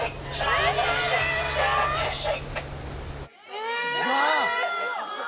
うわ！